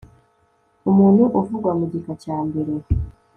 umuntu uvugwa mu gika cya mbere